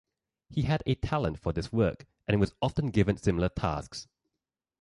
He had a talent for this work and was often given similar tasks.